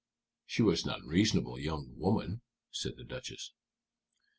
"She was an unreasonable young woman," said the Duchess.